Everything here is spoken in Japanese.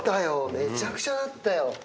めちゃくちゃなったよ。